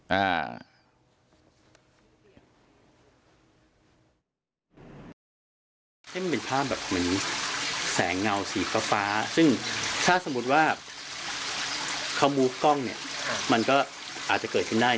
เห็นไหมเป็นภาพแบบแบบแสงเงาสีกะเฟ้าซึ่งถ้าสมมติว่าเค้ามูลกล้องมันก็อาจจะเกิดขึ้นได้